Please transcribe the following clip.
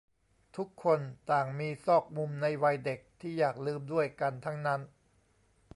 ทุกคนต่างมีซอกมุมในวัยเด็กที่อยากลืมด้วยกันทั้งนั้น